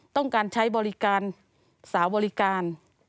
ต้องการใช้บริการสาวบริการ